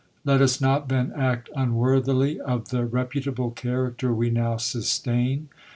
Let us not then act unworthily of the reputable character we now sustain.